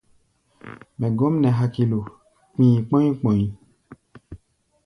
Mɛ gɔ́m nɛ hakilo, kpi̧i̧ kpɔ̧́í̧ kpɔ̧í̧.